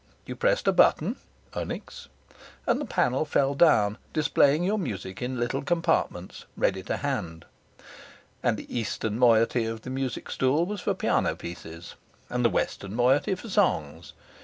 You pressed a button (onyx) and the panel fell down displaying your music in little compartments ready to hand; and the eastern moiety of the music stool was for piano pieces, and the western moiety for songs.